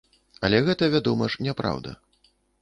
Але гэта, вядома ж, няпраўда.